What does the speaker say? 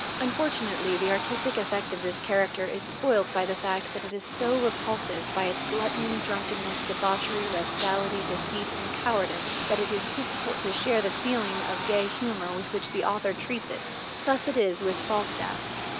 Unfortunately, the artistic effect of this character is spoilt by the fact that it is so repulsive by its gluttony, drunkenness, debauchery, rascality, deceit, and cowardice, that it is difficult to share the feeling of gay humor with which the author treats it. Thus it is with Falstaff.